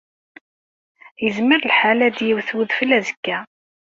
Yezmer lḥal ad d-iwet udfel azekka.